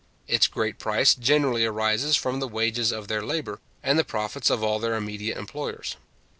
Its great price generally arises from the wages of their labour, and the profits of all their immediate employers.